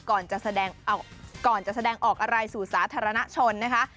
ก่อนจะแสดงออกอะไรสู่สาธารณชนนะคะ